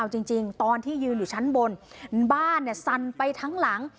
เอาจริงตอนที่ยืนอยู่ชั้นบนบ้านสั่นไปทั้งหลัง